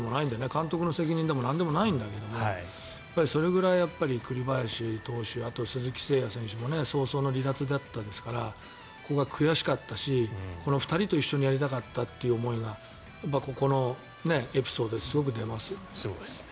監督の責任でも何でもないけどそれぐらい栗林投手あと鈴木誠也選手も早々の離脱だったですから悔しかったですしこの２人と一緒にやりたかったという思いがやっぱりここのエピソードにすごく出ますよね。